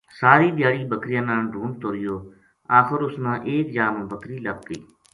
ساری دھیاڑی بکریاں نا ڈھُونڈتو رہیو آخر اس نا ایک جا ما بکری لَبھ گئی